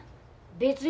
別に。